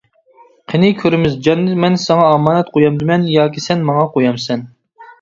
قېنى كۆرىمىز، جاننى مەن ساڭا ئامانەت قويامدىمەن ياكى سەن ماڭا قويامسەن!